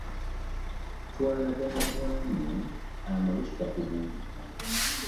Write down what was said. Twagalana bwami amalusu takubulira .